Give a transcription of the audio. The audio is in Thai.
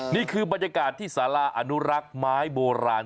นี่คือบรรยากาศที่สาราอนุรักษ์ไม้โบราณ